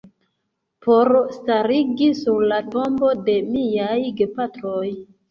Por starigi sur la tombo de miaj gepatroj.